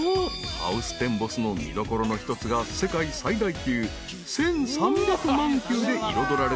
ハウステンボスの見どころの一つが世界最大級１，３００万球で彩られた圧巻のイルミネーション］